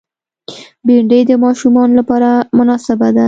بېنډۍ د ماشومانو لپاره مناسبه ده